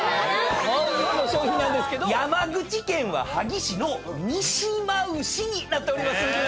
本日の賞品なんですけど山口県は萩市の見島牛になっております。